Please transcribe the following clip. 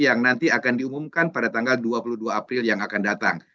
yang nanti akan diumumkan pada tanggal dua puluh dua april yang akan datang